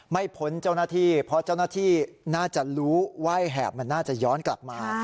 พ้นเจ้าหน้าที่เพราะเจ้าหน้าที่น่าจะรู้ว่าไอ้แหบมันน่าจะย้อนกลับมา